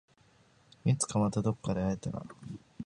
いつかまたどこかで会えたら